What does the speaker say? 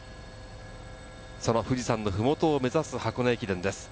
その富士山の麓を目指す箱根駅伝です。